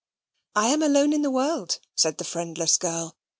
"I am alone in the world," said the friendless girl.